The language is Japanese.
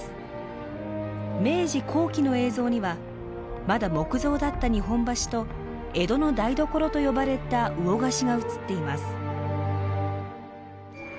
明治後期の映像にはまだ木造だった日本橋と江戸の台所と呼ばれた魚河岸が映っています。